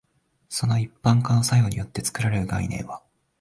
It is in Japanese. その一般化の作用によって作られる概念は、